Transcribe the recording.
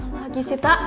gak lagi sih tak